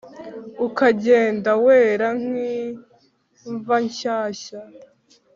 ukagenda wera nk'imva nshyashya